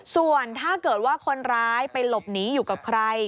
ส่วนถ้าเกิดว่าคนร้ายไปหลบหนีอยู่กับใคร